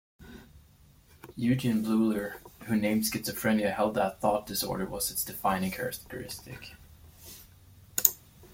Eugen Bleuler, who named schizophrenia, held that thought disorder was its defining characteristic.